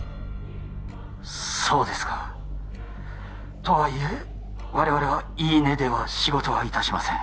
そうですかとはいえ我々は言い値では仕事はいたしません